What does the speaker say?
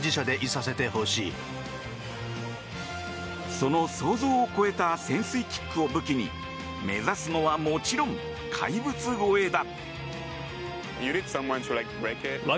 その想像を超えた潜水キックを武器に目指すのはもちろん怪物超えだ。